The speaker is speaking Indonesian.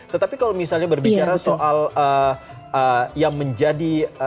tetapi kalau misalnya berbicara soal yang menjadi